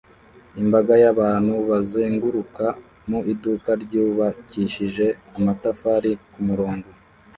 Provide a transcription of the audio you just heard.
Imbaga y'abantu bazenguruka mu iduka ryubakishijwe amatafari ku murongo